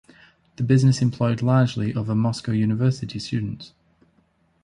The business employed largely other Moscow university students.